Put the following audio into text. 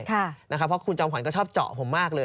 เพราะคุณจอมขวัญก็ชอบเจาะผมมากเลย